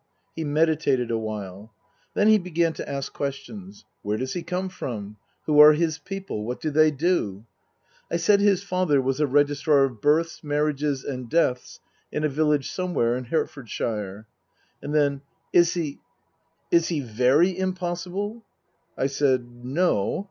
He meditated a while. Then he began to ask questions :" Where does he come from ? Who are his people ? What do they do ?" I said his father was a Registrar of Births, Marriages and Deaths in a village somewhere in Hertfordshire. And then :" Is he is he very impossible ?" I said, No.